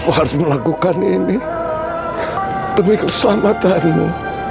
kamu harus melakukan ini demi keselamatanmu